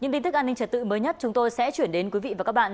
những tin tức an ninh trật tự mới nhất chúng tôi sẽ chuyển đến quý vị và các bạn